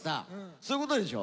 そういうことでしょ？